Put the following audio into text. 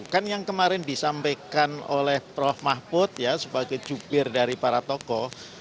kan yang kemarin disampaikan oleh prof mahbud sebagai jubir dari para toko